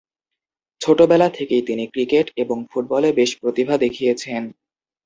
ছোটবেলা থেকেই তিনি ক্রিকেট এবং ফুটবলে বেশ প্রতিভা দেখিয়েছেন।